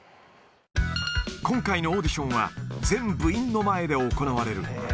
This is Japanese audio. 今回のオーディションは全部員の前で行われる。